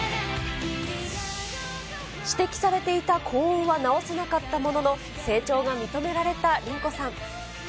指摘されていた高音は直せなかったものの、成長が認められたリンコさん。